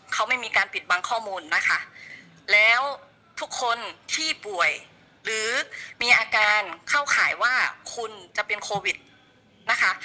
เขาไม่มีการปิดบังข้อมูลนะคะแล้วทุกคนที่ป่วยหรือมีอาการเข้าข่ายว่าคุณจะเป็นโควิดนะคะ